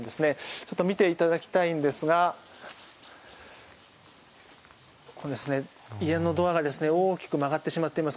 ちょっと見ていただきたいんですが家のドアが大きく曲がってしまっています。